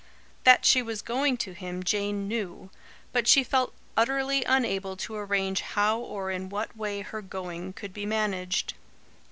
That she was going to him, Jane knew; but she felt utterly unable to arrange how or in what way her going could be managed.